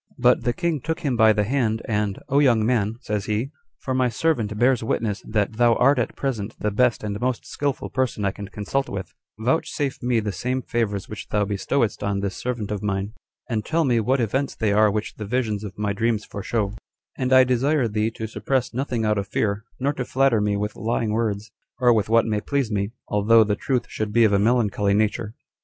5. But the king took him by the hand; and, "O young man," says he, "for my servant bears witness that thou art at present the best and most skillful person I can consult with; vouchsafe me the same favors which thou bestowedst on this servant of mine, and tell me what events they are which the visions of my dreams foreshow; and I desire thee to suppress nothing out of fear, nor to flatter me with lying words, or with what may please me, although the truth should be of a melancholy nature.